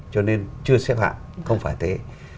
cho nên chưa xếp hạng không phải thế